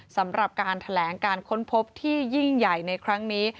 สำหรับการแถลงการค้นพบที่ยิ่งใหญ่ในครั้งนี้